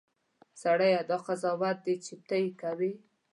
سړیه! دا څه قضاوت دی چې ته یې کوې.